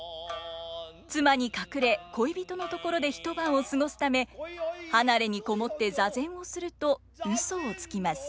妻に隠れ恋人のところで一晩を過ごすため離れに籠もって座禅をするとうそをつきます。